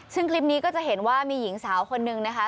ซึ่งคลิปนี้ก็จะเห็นว่ามีหญิงสาวคนนึงนะคะ